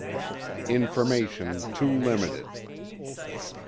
information too limited.